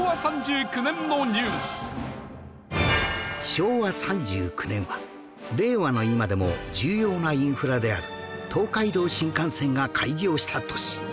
昭和３９年は令和の今でも重要なインフラである東海道新幹線が開業した年